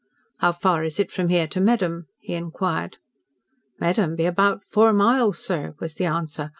"How far is it from here to Medham?" he inquired. "Medham be about four mile, sir," was the answer.